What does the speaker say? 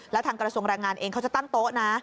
แล้วทางกรสงฆ์รายงานเองเขาจะตั้งโต๊ะนะ